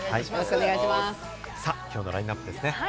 さぁ、今日のラインナップですね。